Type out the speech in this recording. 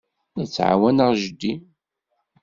La ttɛawaneɣ jeddi.